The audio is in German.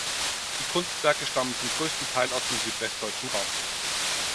Die Kunstwerke stammen zum größten Teil aus dem südwestdeutschen Raum.